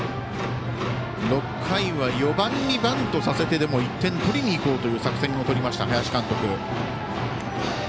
６回は４番にバントさせてでも１点取りにいこうという作戦を取りました、林監督。